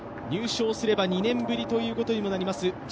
入賞すれば２年ぶりということにもなります